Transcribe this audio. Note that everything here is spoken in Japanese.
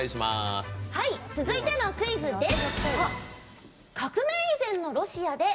続いてのクイズです。